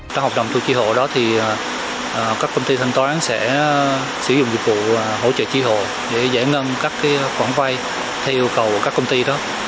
trong hợp đồng thu chi hộ đó thì các công ty thanh toán sẽ sử dụng dịch vụ hỗ trợ tri hộ để giải ngân các khoản vay theo yêu cầu của các công ty đó